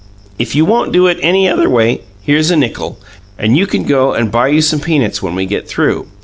"If you won't do it any other way, here's a nickel, and you can go and buy you some peanuts when we get through.